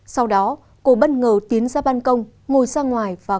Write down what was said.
sau đó cô bất ngờ tiến ra bàn công